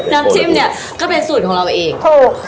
น้ำจิ้มเนี่ยก็เป็นสูตรของเราเองถูก